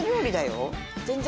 全然。